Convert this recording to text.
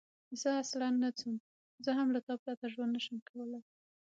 زه اصلاً نه ځم، زه هم له تا پرته ژوند نه شم کولای.